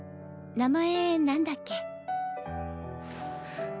名前なんだっけ？